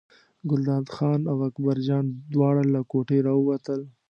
ګلداد خان او اکبرجان دواړه له کوټې راووتل.